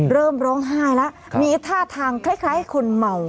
เริ่มร้องไห้แล้วมีท่าทางคล้ายคนเมา